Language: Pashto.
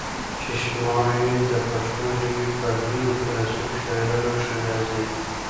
چې شمار ئې د پښتو ژبې پۀ لويو کلاسيکي شاعرانو کښې کيږي